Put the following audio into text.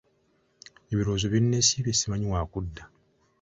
Ebirowoozo binneesibye simanyi wa kudda.